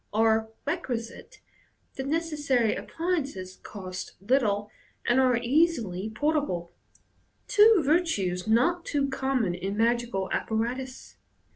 are requisite, the necessary appliances cost little, and are easily portable — two virtues not too common in magical apparatus.